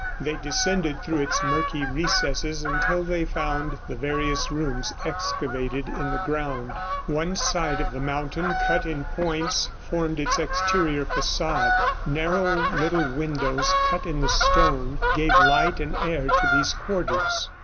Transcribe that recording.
They descended through its murky recesses until they found the various rooms excavated in the ground. One side of the mountain cut in points formed its exterior facade. Narrow little windows, cut in the stone, gave light and air to these quarters.